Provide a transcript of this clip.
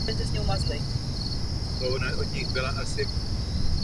O změně však nelze rozhodnout pouhým snížením dotace rozpočtu.